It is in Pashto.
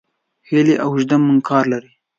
هیلۍ اوږده منقار لري